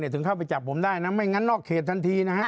ถึงเข้าไปจับผมได้นะไม่งั้นนอกเขตทันทีนะฮะ